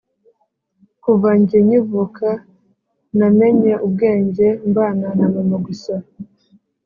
Kuva njye nyivuka namenye ubwenge mbana na mama gusa